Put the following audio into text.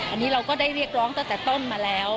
อันนี้เราก็ได้เรียกร้องตั้งแต่ต้นมาแล้ว